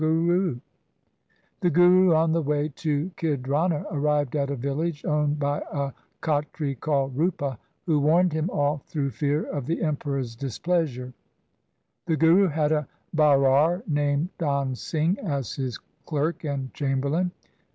The Guru on the way to Khidrana arrived at a village owned by a Khatri called Rupa, who warned him off through fear of the Emperor's dis pleasure. The Guru had a Bairar named Dan Singh as his clerk and chamberlain.